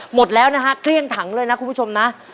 หมดแล้วนะฮะเกลี้ยงถังเลยนะคุณผู้ชมนะ